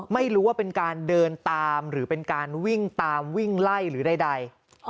ไม่รู้ว่าเป็นการเดินตามหรือเป็นการวิ่งตามวิ่งไล่หรือใด